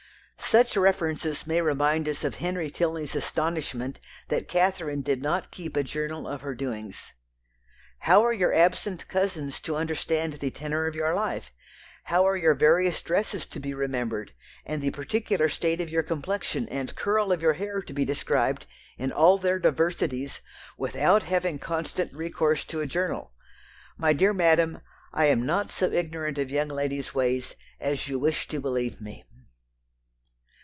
Such references may remind us of Henry Tilney's astonishment that Catherine did not keep a journal of her doings. "How are your absent cousins to understand the tenor of your life...? How are your various dresses to be remembered, and the particular state of your complexion and curl of your hair to be described, in all their diversities, without having constant recourse to a journal? My dear madam, I am not so ignorant of young ladies' ways as you wish to believe me."